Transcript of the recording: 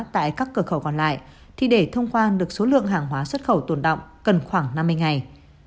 tại các cửa khẩu còn lại thì để thông quan được số lượng hàng hóa xuất khẩu tồn động cần khoảng năm mươi ngày